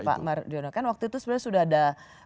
pak mardiono kan waktu itu sebenarnya sudah ada